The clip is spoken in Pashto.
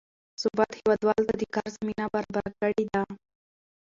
ثبات هېوادوالو ته د کار زمینه برابره کړې ده.